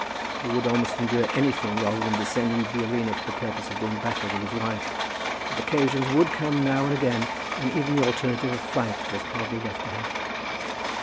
He would almost endure anything rather than descend into the arena for the purpose of doing battle with his wife, but occasions would come now and again when even the alternative of flight was hardly left to him.